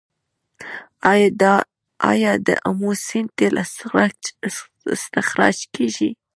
آیا د امو سیند تیل استخراج کیږي؟